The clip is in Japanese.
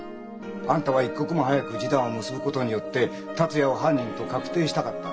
あんたは一刻も早く示談を結ぶことによって達也を犯人と確定したかった。